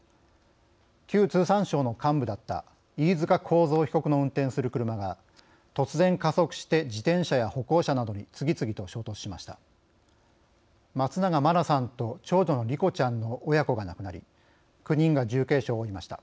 旧通産省の幹部だった飯塚幸三被告の運転する車が突然、加速して自転車や歩行者などに次々と衝突しました。